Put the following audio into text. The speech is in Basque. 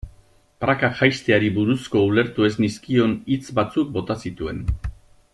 Praka jaisteari buruzko ulertu ez nizkion hitz batzuk bota zituen.